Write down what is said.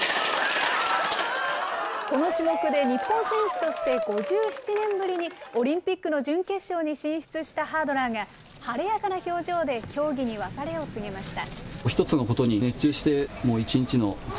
この種目で日本選手として５７年ぶりに、オリンピックの準決勝に進出したハードラーが、晴れやかな表情で競技に別れを告げました。